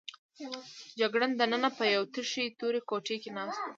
جګړن دننه په یوې تشې تورې کوټې کې ناست و.